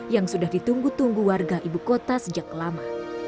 yang sudah ditunggu tunggu warga ibu kota sejak lama